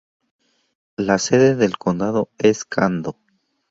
La sede del condado es Cando.